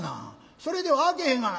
それではあきへんがな」。